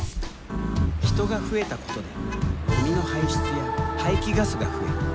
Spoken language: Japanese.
人が増えたことでゴミの排出や排気ガスが増え環境は悪化。